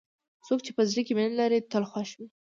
څوک چې په زړه کې مینه لري، تل خوښ وي.